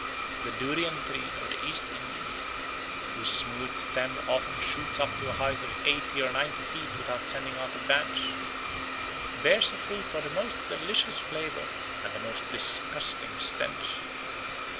The durian tree of the East Indies, whose smooth stem often shoots up to a height of eighty or ninety feet without sending out a branch, bears a fruit of the most delicious flavour and the most disgusting stench.